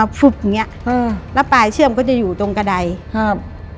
แล้วปลายเชือกมันก็จะอยู่ตรงกระดาย